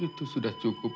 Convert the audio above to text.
itu sudah cukup